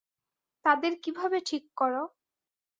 তাদের কীভাবে ঠিক কর?